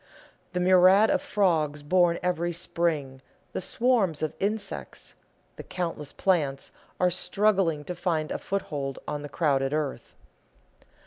The myriads of frogs born every spring, the swarms of insects, the countless plants, are struggling to find a foothold on the crowded earth.